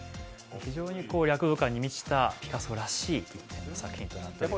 非常に躍動感に満ちたピカソらしい作品になっております。